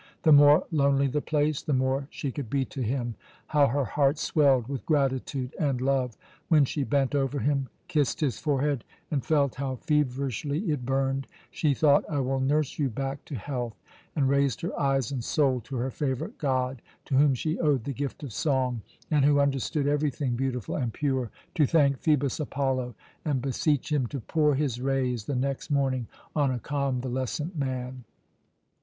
The more lonely the place, the more she could be to him. How her heart swelled with gratitude and love! When she bent over him, kissed his forehead, and felt how feverishly it burned, she thought, "I will nurse you back to health," and raised her eyes and soul to her favourite god, to whom she owed the gift of song, and who understood everything beautiful and pure, to thank Phœbus Apollo and beseech him to pour his rays the next morning on a convalescent man.